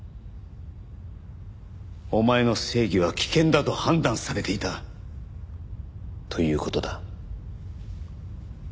お前の正義は危険だと判断されていたという事だ。